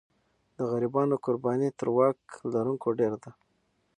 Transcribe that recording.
د غریبانو قرباني تر واک لرونکو ډېره ده.